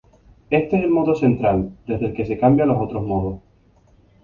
Éste es el "modo central", desde el que se cambia a los otros modos.